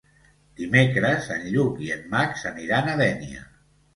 Dimecres en Lluc i en Max aniran a Dénia.